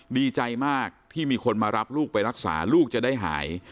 ดีใจมากที่มีคนมารับลูกไปรักษาลูกจะได้หาย